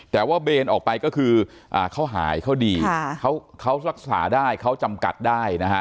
แต่ว่าเบนออกไปก็คือเขาหายเขาดีเขารักษาได้เขาจำกัดได้นะฮะ